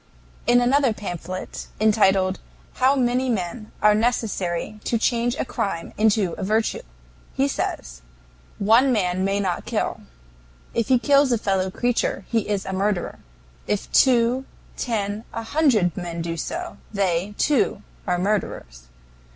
In another pamphlet, entitled "How many Men are Necessary to Change a Crime into a Virtue?" he says: "One man may not kill. If he kills a fellow creature, he is a murderer. If two, ten, a hundred men do so, they, too, are murderers.